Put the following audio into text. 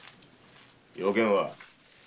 用件は？